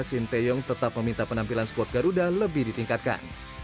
sinteyong tetap meminta penampilan squad garuda lebih ditingkatkan